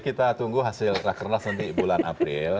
kita tunggu hasil terkenal di bulan april